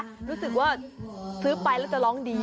รู้สึกว่าซื้อไปแล้วจะร้องดี